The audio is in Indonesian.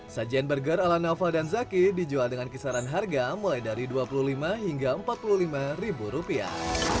sajian burger ala naufal dan zaki dijual dengan kisaran harga mulai dari dua puluh lima hingga empat puluh lima ribu rupiah